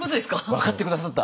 分かって下さった！